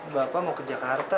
bapak mau ke jakarta